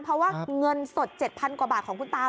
เพราะว่าเงินสด๗๐๐กว่าบาทของคุณตา